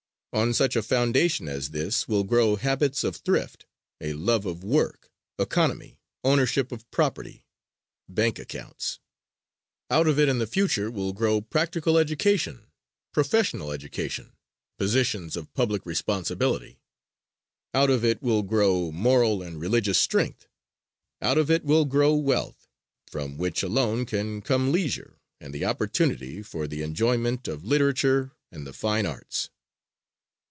On such a foundation as this will grow habits of thrift, a love of work, economy, ownership of property, bank accounts. Out of it in the future will grow practical education, professional education, positions of public responsibility. Out of it will grow moral and religious strength. Out of it will grow wealth from which alone can come leisure and the opportunity for the enjoyment of literature and the fine arts.